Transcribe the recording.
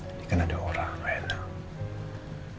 ini kan ada orang lain